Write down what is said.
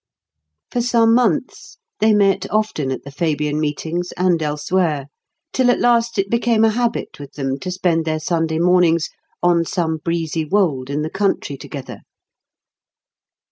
For some months they met often at the Fabian meetings and elsewhere; till at last it became a habit with them to spend their Sunday mornings on some breezy wold in the country together.